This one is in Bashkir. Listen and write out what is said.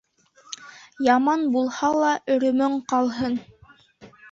Яман булһа ла өрөмөң ҡалһын.